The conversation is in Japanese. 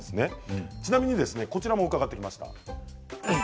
ちなみにこちらも伺ってきました。